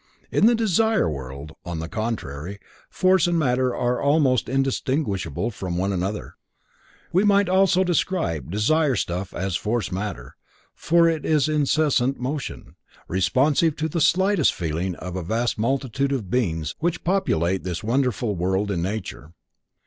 In the Desire World, on the contrary, force and matter are almost indistinguishable one from the other. We might almost describe desire stuff as force matter, for it is in incessant motion, responsive to the slightest feeling of a vast multitude of beings which populate this wonderful world in nature.